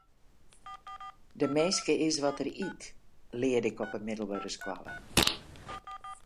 De minske is wat er yt, learde ik op 'e middelbere skoalle.